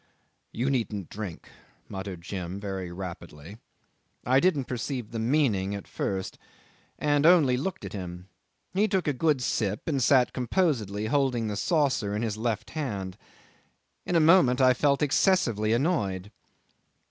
"You needn't drink," muttered Jim very rapidly. I didn't perceive the meaning at first, and only looked at him. He took a good sip and sat composedly, holding the saucer in his left hand. In a moment I felt excessively annoyed.